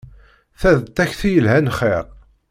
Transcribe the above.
Ta d takti yelhan xir!